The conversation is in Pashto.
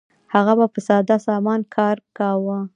هغه به په ساده سامان کار کاوه.